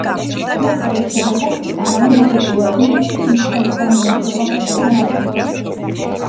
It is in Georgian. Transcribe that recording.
მეწყერის შედეგად არავინ დაღუპულა, თუმცა თითქმის მთელი სამონასტრო კომპლექსი განადგურდა.